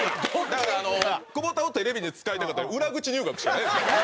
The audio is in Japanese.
だからあの久保田をテレビで使いたかったら裏口入学しかないですからね